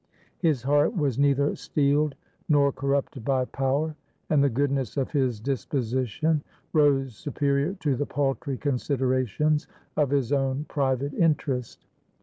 His heart was neither steeled nor corrupted by power, and the goodness of his disposition rose superior to the paltry considerations of his own private interest.